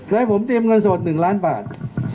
ไปให้ผมทรียมเงินสดหนึ่งล้านบาท